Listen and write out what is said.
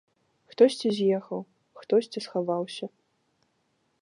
Хтосьці з'ехаў, хтосьці схаваўся.